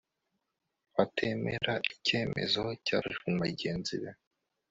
batemera icyemezo cyafashwe na bagenzi be